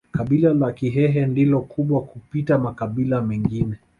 Kabila la Kihehe ndilo kubwa kupita makabila mengine